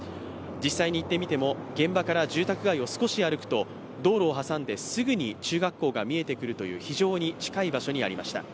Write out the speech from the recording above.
実際に行ってみても現場から住宅街を歩くと道路を挟んですぐに中学校が見えてくるという非常に近い場所にありました。